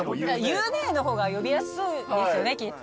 「ゆう姉」の方が呼びやすいですよねきっと。